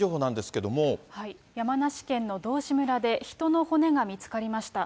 けれ山梨県の道志村で、人の骨が見つかりました。